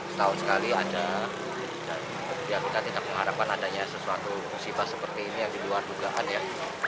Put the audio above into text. setahun sekali ada dan ya kita tidak mengharapkan adanya sesuatu musibah seperti ini yang diluar dugaan ya